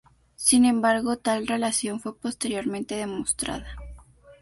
Sin embargo, tal relación fue posteriormente demostrada.